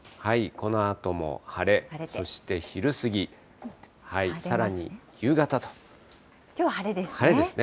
このあとも晴れ、そして昼過ぎ、きょうは晴れですね。